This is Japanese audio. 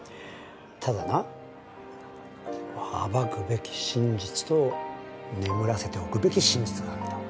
ただな暴くべき真実と眠らせておくべき真実があるんだわ。